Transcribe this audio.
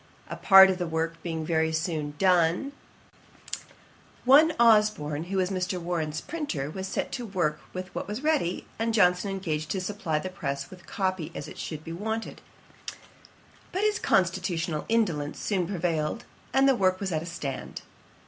A part of the work being very soon done, one Osborn, who was Mr. Warren's printer, was set to work with what was ready, and Johnson engaged to supply the press with copy as it should be wanted; but his constitutional indolence soon prevailed, and the work was at a stand.